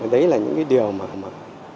đấy là những điều mở mở